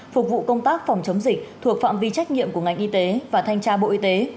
phục vụ công tác phòng chống dịch thuộc phạm vi trách nhiệm của ngành y tế và thanh tra bộ y tế